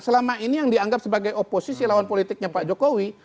selama ini yang dianggap sebagai oposisi lawan politiknya pak jokowi